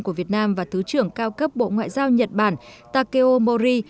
của việt nam và thứ trưởng cao cấp bộ ngoại giao nhật bản takeo mori